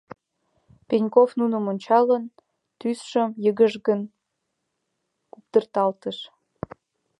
Пеньков, нуным ончалын, тӱсшым йыгыжгын куптырталтыш.